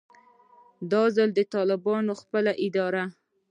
دا ځل د طالبانو خپله اداره